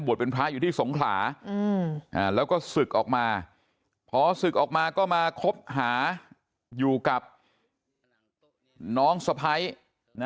เป็นพระอยู่ที่สงขลาแล้วก็ศึกออกมาพอศึกออกมาก็มาคบหาอยู่กับน้องสะพ้ายนะ